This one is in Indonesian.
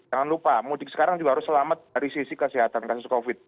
jangan lupa mudik sekarang juga harus selamat dari sisi kesehatan kasus covid